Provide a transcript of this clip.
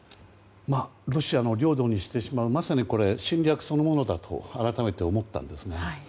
ロシアの領土にしてしまうまさに侵略そのものだと改めて思ったんですね。